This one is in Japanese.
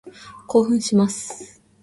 興奮します。